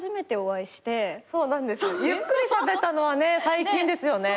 ゆっくりしゃべったのは最近ですよね。